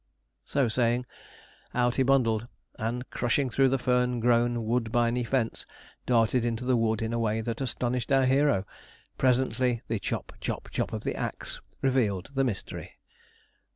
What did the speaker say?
So saying, out he bundled, and, crushing through the fern grown woodbiney fence, darted into the wood in a way that astonished our hero. Presently the chop, chop, chop of the axe revealed the mystery.